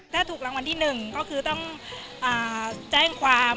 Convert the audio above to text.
ถ้าถูกรางวัลที่๑ก็คือต้องแจ้งความ